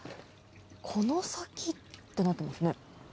この先ってなってますね。